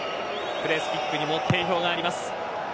プレースキックにも定評があります。